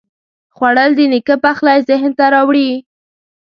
خوړل د نیکه پخلی ذهن ته راوړي